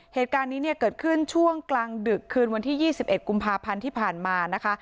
เหตุการณ์นี้เนี่ยเกิดขึ้นช่วงกลางดึกคืนวันที่๒๑กุมภาพันธ์ที่ผ่านมานะคะ